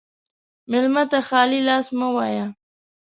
مېلمه ته خالي لاس مه وایه.